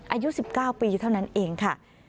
อายุ๑๙ปีเท่านั้นเองค่ะ